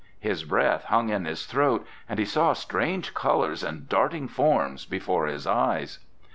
His breath hung in his throat and he saw strange colors and darting forms before his eyes.